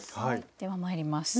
ではまいります。